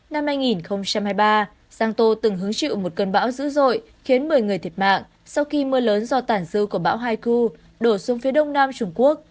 năm hai nghìn hai mươi ba giang tô từng hứng chịu một cơn bão dữ dội khiến một mươi người thiệt mạng sau khi mưa lớn do tản dư của bão haiku đổ xuống phía đông nam trung quốc